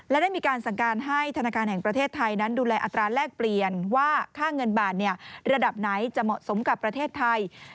และได้มีการสั่งการให้ธนาคารแห่งประเทศไทยนั้นดูแลอัตราแลกเปลี่ยนว่าค่าเงินบาทระดับไหนจะเหมาะสมกับประเทศไทย